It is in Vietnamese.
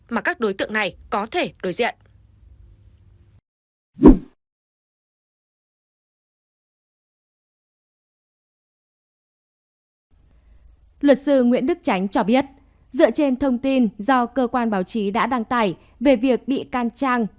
mà các đối tượng này có thể đối diện